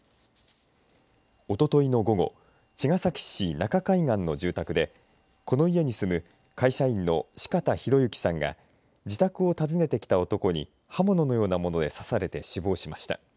おとといの午後茅ヶ崎市中海岸の住宅でこの家に住む会社員の四方洋行さんが自宅を訪ねてきた男に刃物のようなもので刺されて死亡しました。